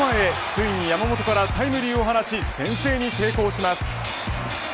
ついに山本からタイムリーを放ち先制に成功します。